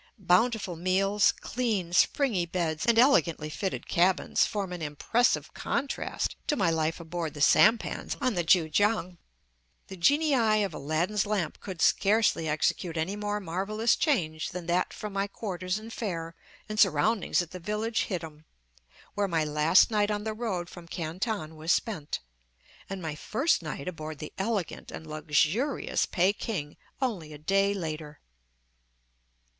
Bountiful meals, clean, springy beds, and elegantly fitted cabins, form an impressive contrast to my life aboard the sampans on the Kan kiang. The genii of Aladdin's lamp could scarcely execute any more marvellous change than that from my quarters and fare and surroundings at the village hittim, where my last night on the road from Canton was spent, and my first night aboard the elegant and luxurious Peking, only a day later.